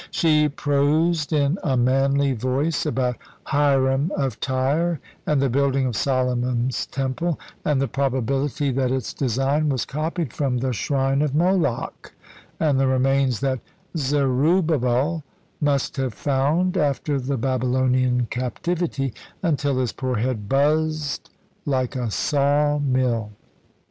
She prosed in a manly voice about Hiram of Tyre and the building of Solomon's Temple, and the probability that its design was copied from the Shrine of Moloch, and the remains that Zerubbabel must have found after the Babylonian captivity, until his poor head buzzed like a saw mill.